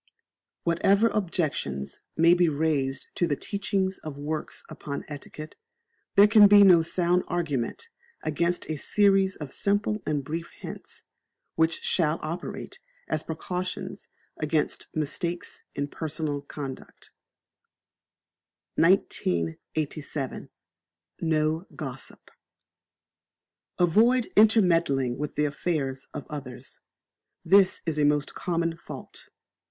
Whatever objections may be raised to the teachings of works upon etiquette, there can be no sound argument against a series of simple and brief hints, which shall operate as precautions against mistakes in personal conduct. 1987. No Gossip. Avoid intermeddling with the affairs of others. This is a most common fault.